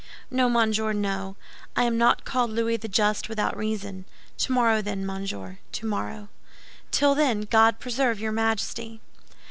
"No, monsieur, no; I am not called Louis the Just without reason. Tomorrow, then, monsieur—tomorrow." "Till then, God preserve your Majesty!"